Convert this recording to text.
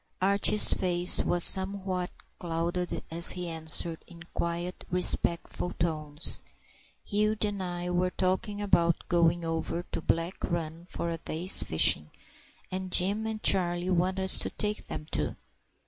Archie's face was somewhat clouded as he answered, in quiet, respectful tones, "Hugh and I were talking about going over to Black Run for a day's fishing, and Jim and Charlie want us to take them too."